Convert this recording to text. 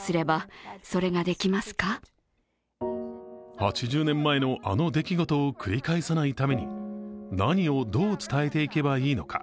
８０年前のあの出来事を繰り返さないために何をどう伝えていけばいいのか。